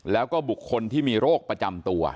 แล้วก็บุคคลที่มีโรคประจำตัว